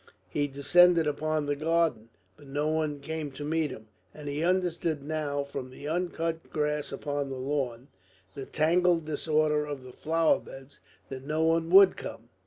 He descended into the garden, but no one came to meet him; and he understood now from the uncut grass upon the lawn, the tangled disorder of the flowerbeds, that no one would come.